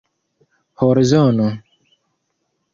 horzono